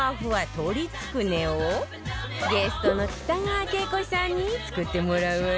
鶏つくねをゲストの北川景子さんに作ってもらうわよ